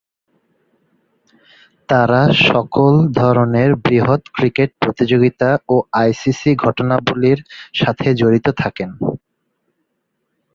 তারা সকল ধরনের বৃহৎ ক্রিকেট প্রতিযোগিতা ও আইসিসি'র ঘটনাবলীর সাথে জড়িত থাকেন।